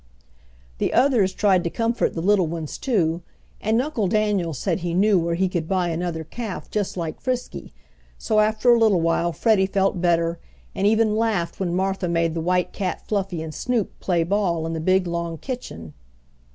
The others tried to comfort the little ones too, and Uncle Daniel said he knew where he could buy another calf just like Frisky, so after a little while Freddie felt better and even laughed when Martha made the white cat Fluffy and Snoop play ball in the big long kitchen.